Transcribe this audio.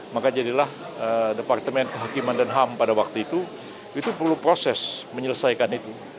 maka jadilah departemen kehakiman dan ham pada waktu itu itu perlu proses menyelesaikan itu